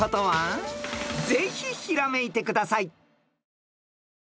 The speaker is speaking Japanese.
［ぜひひらめいてください］